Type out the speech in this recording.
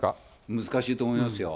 難しいと思いますよ。